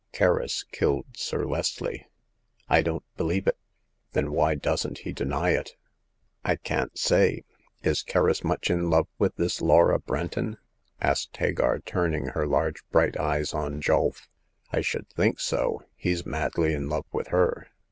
Kerris killed Sir Leslie." '' I don't believe it !"Then why doesn't he deny it ?"I can't say. Is Kerris much in love with this Laura Brenton ?" asked Hagar, turning her large bright eyes on Julf. " I should think so ! He's madly in love with her."